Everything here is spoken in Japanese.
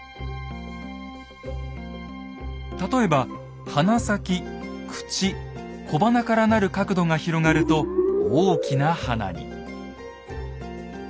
例えば鼻先口小鼻から成る角度が広がると大きな鼻に。